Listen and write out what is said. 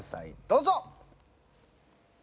どうぞ！